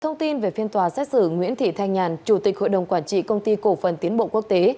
thông tin về phiên tòa xét xử nguyễn thị thanh nhàn chủ tịch hội đồng quản trị công ty cổ phần tiến bộ quốc tế